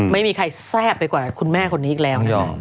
ไม่มีใครแซ่บไปกว่าคุณแม่คนนี้อีกแล้ว